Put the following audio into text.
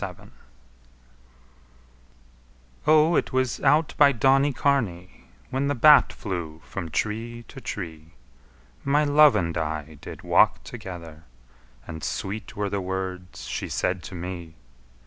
XXXI O, it was out by Donnycarney When the bat flew from tree to tree My love and I did walk together; And sweet were the words she said to me.